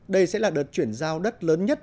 đây sẽ là đợt chuyển giao đất lớn nhất